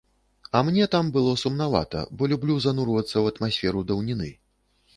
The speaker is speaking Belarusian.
А мне там было сумнавата, бо люблю занурвацца ў атмасферу даўніны.